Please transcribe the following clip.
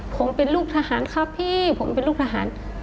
ผมเป็นลูกทหารครับพี่ผมเป็นลูกทหาร